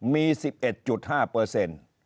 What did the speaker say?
มี๑๑๕เปอร์เซ็นต์